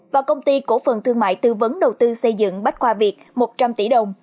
và công ty cổ phần thương mại tư vấn đầu tư xây dựng bách khoa việt một trăm linh tỷ đồng